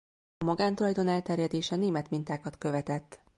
A magántulajdon elterjedése német mintákat követett.